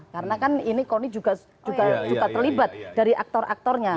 karena kan ini koni juga terlibat dari aktor aktornya